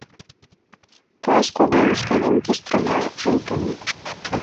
Каласковыя лускавінкі з трыма жылкамі.